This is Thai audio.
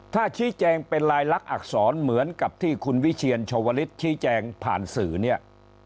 ถ้าชี้แจงเป็นลายลักษรเหมือนกับที่คุณวิเชียรชวลิศชี้แจงผ่านสื่อเนี่ย